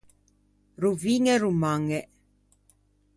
Roviñe romañe.